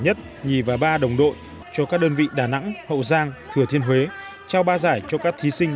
nhất nhì và ba đồng đội cho các đơn vị đà nẵng hậu giang thừa thiên huế trao ba giải cho các thí sinh